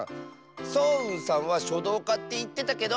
そううんさんはしょどうかっていってたけど。